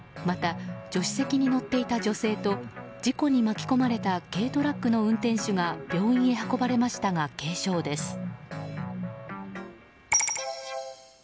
また、助手席に乗っていた女性と事故に巻き込まれた軽トラックの運転手が病院に運ばれましたが軽傷です。